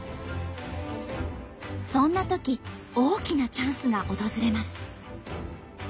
そんなとき大きなチャンスが訪れます。